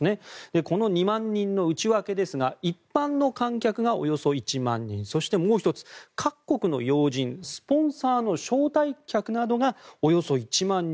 この２万人の内訳ですが一般の観客がおよそ１万人そしてもう１つ、各国の要人スポンサーの招待客などがおよそ１万人。